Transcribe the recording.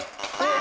あ！